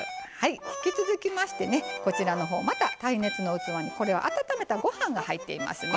引き続きましてねこちらのほうまた耐熱の器にこれは温めたご飯が入っていますね。